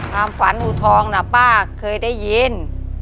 ความฝันอูทองนะป้าเคยได้ยิน